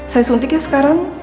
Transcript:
saya suntik ya sekarang